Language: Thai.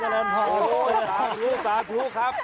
พาเค้ากูครับ